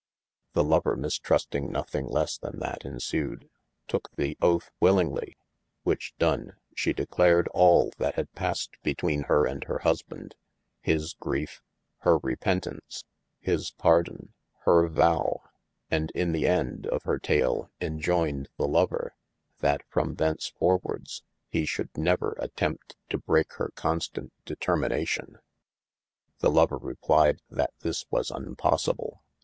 The lover mistrusting nothing lesse tha that ensued, toke the othe willingly, which done, she declared al that had passed betwene hir & hir husband: his griefe, hir repentance, his pardon, hir vowe, and in the ende of hir tale enjoyned the lover, that from thenceforthwardes, he should never attempt to breake her constant determinatio, the lover replied that this was unpossible.